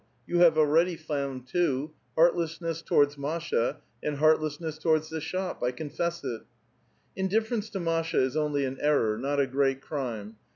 You have already found two : heartlessness toward Masha and heartlessness towards the shop ; 1 confess it." '' Indifference to Masha is only a error, not a great crime.